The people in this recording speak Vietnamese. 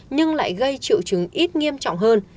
nhưng lại gây triệu chứng ít nghiêm trọng hơn